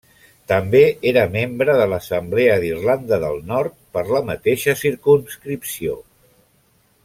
També era membre de l'Assemblea d'Irlanda del Nord per la mateixa circumscripció.